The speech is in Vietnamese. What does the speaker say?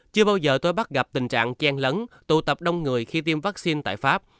chưa bao giờ tôi bắt gặp tình trạng chen lấn tụ tập đông người khi tiêm vaccine tại pháp